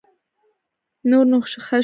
نور نو شه شپه